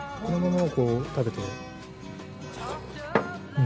このままをこう食べて。